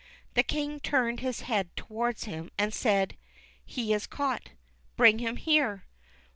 The King turned his head towards him and said, " He is caught. Bring him here."